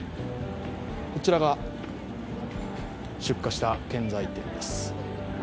こちらが出火した建材店です。